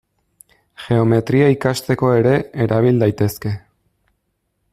Geometria ikasteko ere erabil daitezke.